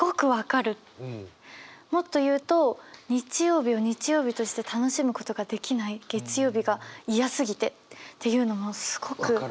もっと言うと「日曜日を日曜日として楽しむ事ができない」月曜日が嫌すぎてっていうのもすごく分かります。